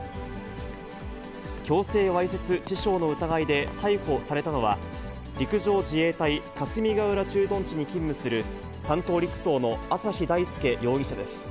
強制わいせつ致傷の疑いで逮捕されたのは、陸上自衛隊霞ヶ浦駐屯地に勤務する、３等陸曹の朝日大介容疑者です。